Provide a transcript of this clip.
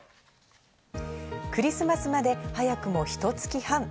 クリスマスまで早くも、ひと月半。